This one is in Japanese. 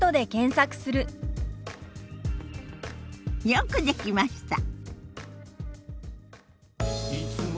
よくできました。